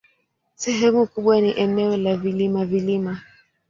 Sehemu kubwa ni eneo la vilima-vilima.